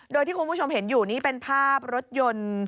โดยที่คุณผู้ชมเห็นอยู่นี่เป็นภาพรถยนต์